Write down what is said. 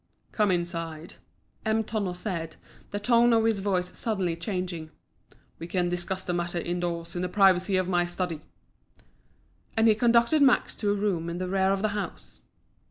"Come inside," M. Tonno said, the tone of his voice suddenly changing. "We can discuss the matter indoors in the privacy of my study." And he conducted Max to a room in the rear of the house.